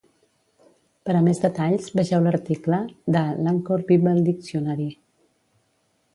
Per a més detalls, vegeu l'article de l'"Anchor Bible Dictionary".